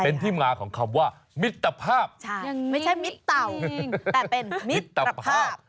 เป็นที่มาของคำว่ามิตรภาพไม่ใช่มิตรเต่าแต่เป็นมิตรภาพ